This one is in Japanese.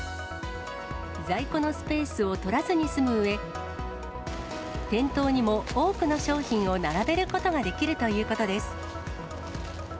在庫のスペースを取らずに済むうえ、店頭にも多くの商品を並べることができるということです。